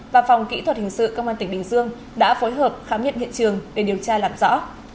và phòng kỹ thuật hình sự công an tp hcm đã phối hợp khám nghiệm hiện trường để điều tra làm rõ